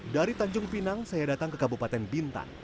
dari tanjung pinang saya datang ke kabupaten bintan